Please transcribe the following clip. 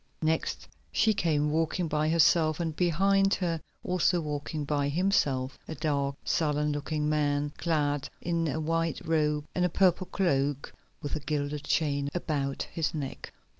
Next she came, walking by herself, and behind her, also walking by himself, a dark, sullen looking man, clad in a white robe and a purple cloak, with a gilded chain about his neck.